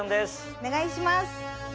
お願いします。